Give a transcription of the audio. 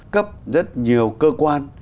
cấp rất nhiều cơ quan